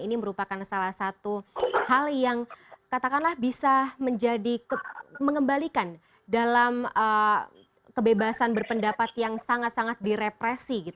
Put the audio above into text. ini merupakan salah satu hal yang katakanlah bisa menjadi mengembalikan dalam kebebasan berpendapat yang sangat sangat direpresi